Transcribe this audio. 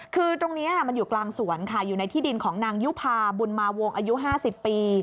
คือตรงนี้มันอยู่กลางสวนค่ะอยู่ในที่ดินของนางยุภาบุญมาวงอายุ๕๐ปี